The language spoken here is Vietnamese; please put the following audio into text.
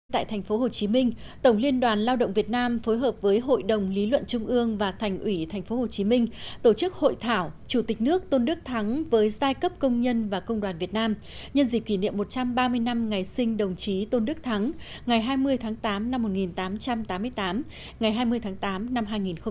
tại tp hcm tổng liên đoàn lao động việt nam phối hợp với hội đồng lý luận trung ương và thành ủy tp hcm tổ chức hội thảo chủ tịch nước tôn đức thắng với giai cấp công nhân và công đoàn việt nam nhân dịp kỷ niệm một trăm ba mươi năm ngày sinh đồng chí tôn đức thắng ngày hai mươi tháng tám năm một nghìn tám trăm tám mươi tám ngày hai mươi tháng tám năm hai nghìn một mươi chín